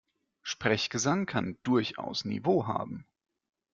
Sprechgesang kann durchaus Niveau haben.